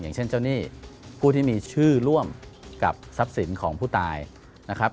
อย่างเช่นเจ้าหนี้ผู้ที่มีชื่อร่วมกับทรัพย์สินของผู้ตายนะครับ